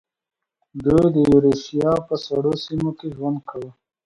دوی د یوریشیا په سړو سیمو کې ژوند کاوه.